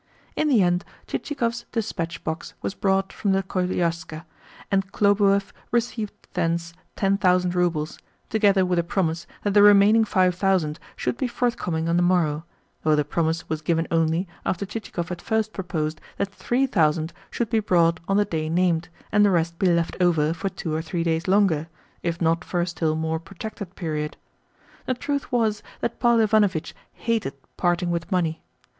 In the end Chichikov's dispatch box was brought from the koliaska, and Khlobuev received thence ten thousand roubles, together with a promise that the remaining five thousand should be forthcoming on the morrow; though the promise was given only after Chichikov had first proposed that THREE thousand should be brought on the day named, and the rest be left over for two or three days longer, if not for a still more protracted period. The truth was that Paul Ivanovitch hated parting with money.